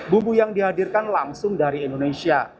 bubu yang dihadirkan langsung dari indonesia